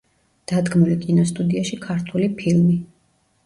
დადგმული კინოსტუდიაში „ქართული ფილმი“.